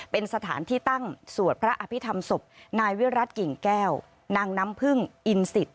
เป็นสถานที่ตั้งสวดพระอภิษฐรรมศพนายวิรัติกิ่งแก้วนางน้ำพึ่งอินสิต